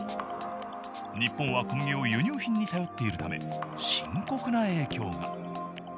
日本は小麦を輸入品に頼っているため深刻な影響が。